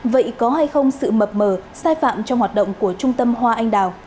vậy có hay không sự mập mờ sai phạm trong hoạt động của trung tâm hoa anh đào